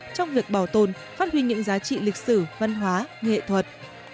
trong việc bảo tồn phát huy những giá trị lịch sử văn hóa nghệ thuật